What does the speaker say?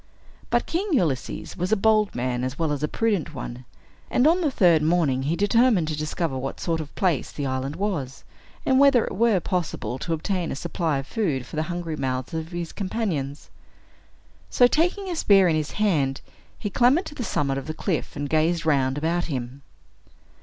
But King Ulysses was a bold man as well as a prudent one; and on the third morning he determined to discover what sort of a place the island was, and whether it were possible to obtain a supply of food for the hungry mouths of his companions. So, taking a spear in his hand, he clambered to the summit of a cliff, and gazed round about him.